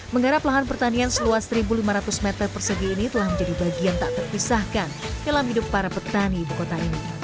menggarap lahan pertanian seluas satu lima ratus meter persegi ini telah menjadi bagian tak terpisahkan dalam hidup para petani ibu kota ini